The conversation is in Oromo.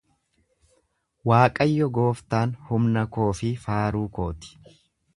Waaqayyo gooftaan humna koo fi faaruu kooti.